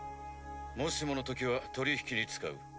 もしものときは取り引きに使う。